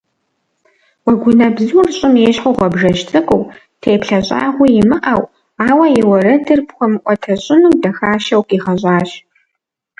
Уэгунэбзур щӏым ещхьу гъуабжэжь цӏыкӏуу, теплъэ щӏагъуи имыӏэу, ауэ и уэрэдыр пхуэмыӏуэтэщӏыну дахащэу къигъэщӏащ.